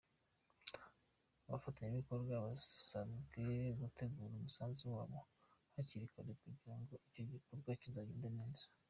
Abafatanyabikorwa basabwe gutegura umusanzu wa bo hakiri kare, kugira ngo icyo gikorwa kizagende neza.